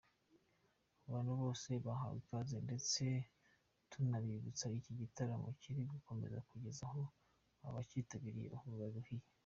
Abantu bose bahawe ikaze ndetse tunabibutsa iki gitaramo kiri bukomeze kugeza aho abakitabiriye baruhiye.